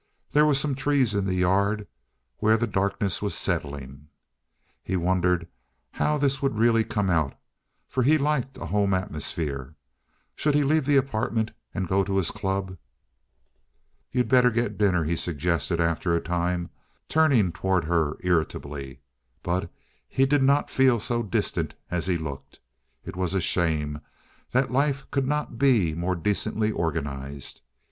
There were some trees in the yard, where the darkness was settling. He wondered how this would really come out, for he liked a home atmosphere. Should he leave the apartment and go to his club? "You'd better get the dinner," he suggested, after a time, turning toward her irritably; but he did not feel so distant as he looked. It was a shame that life could not be more decently organized.